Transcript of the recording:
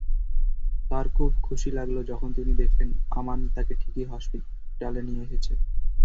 তার খুব খুশি লাগল, যখন তিনি দেখলেন আমান তাকে ঠিকই হসপিটালে নিয়ে এসেছে।